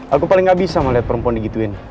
aku paling gak bisa melihat perempuan digituin